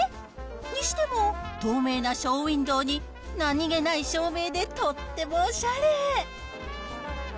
にしても、透明なショーウインドーになにげない照明でとってもおしゃれ。